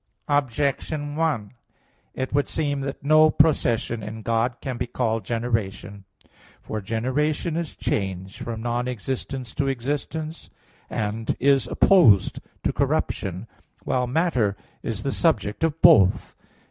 Objection 1: It would seem that no procession in God can be called generation. For generation is change from non existence to existence, and is opposed to corruption; while matter is the subject of both.